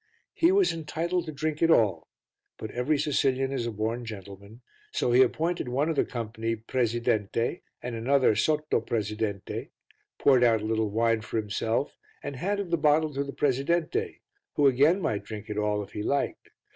He was entitled to drink it all, but every Sicilian is a born gentleman, so he appointed one of the company presidente and another sotto presidente, poured out a little wine for himself and handed the bottle to the presidente, who again might drink it all if he liked.